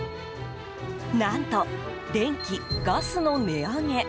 何と、電気・ガスの値上げ